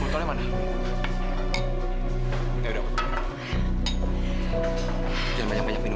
udah kalau kamu kayak gini